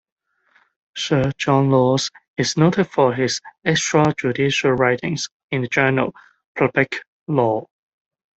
Sir John Laws is noted for his extrajudicial writings in the journal, "Public Law".